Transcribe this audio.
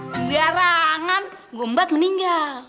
biarangan gombat meninggal